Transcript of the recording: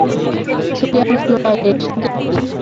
Sodium ফ্লোরাইডের সংকেত কী?